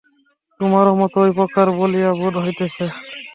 তোমারও মত ঐ প্রকার বলিয়া বোধ হইতেছে।